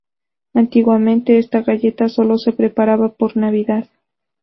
Antiguamente esta galleta solo se preparaba por Navidad.